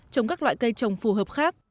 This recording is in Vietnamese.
trong các loại cây trồng phù hợp khác